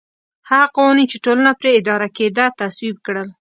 هغه قوانین چې ټولنه پرې اداره کېده تصویب کړل